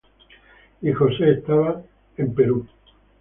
Y José estaba en Egipto.